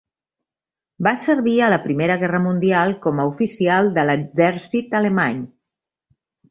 Va servir a la Primera Guerra Mundial com a oficial de l'exèrcit alemany.